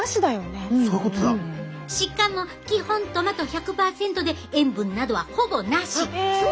しかも基本トマト１００％で塩分などはほぼなし。